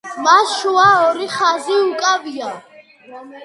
მას შუა ორი ხაზი უკავია.